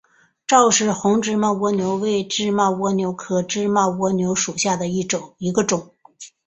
赵氏红芝麻蜗牛为芝麻蜗牛科芝麻蜗牛属下的一个种。